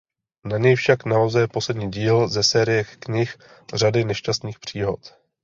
Na něj však navazuje poslední díl ze série knih Řady nešťastných příhod.